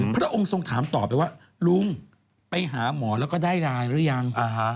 พระองค์ทรงถามต่อไปว่าลุงไปหาหมอแล้วก็ได้รายหรือยัง